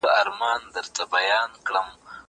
زه اوس ليکنه کوم؟!